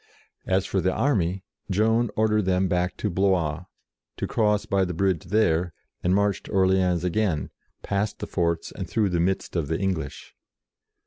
As for the army, Joan ordered them back to Blois, to cross by the bridge there, and march to Orleans again, past the forts and through the midst of the English.